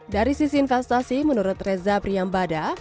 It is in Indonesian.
dari sisi investasi menurut reza priyambada